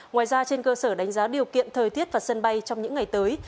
ngoài ra trên cơ sở đánh giá điều kiện thời tiết và sân bay trong những ngày tới